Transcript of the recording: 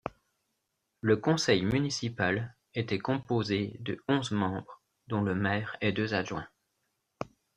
Le conseil municipal étaitt composé de onze membres dont le maire et deux adjoints.